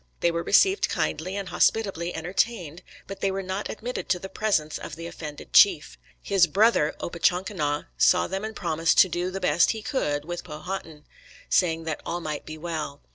They were received kindly and hospitably entertained, but they were not admitted to the presence of the offended chief. His brother, Opechancanough, saw them and promised to do the best he could with Powhatan, saying that "all might be well."